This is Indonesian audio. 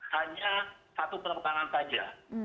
hanya satu penerbangan saja